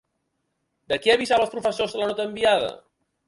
De què avisava als professors la nota enviada?